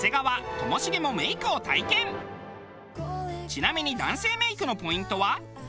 ちなみに男性メイクのポイントは。